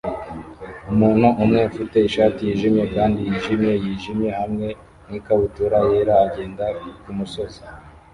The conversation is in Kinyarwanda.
Umuntu umwe ufite ishati yijimye kandi yijimye yijimye hamwe nikabutura yera agenda kumusozi